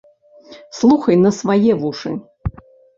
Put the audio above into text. Слухай на свае вушы!